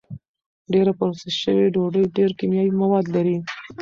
ډېره پروسس شوې ډوډۍ ډېر کیمیاوي مواد لري.